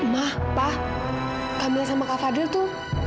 ma pa kamila sama kak fadil itu